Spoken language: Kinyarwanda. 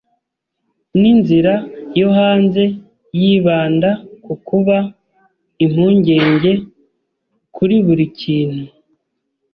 Ninzira yo hanze yibanda kukuba impungenge kuri buri kintu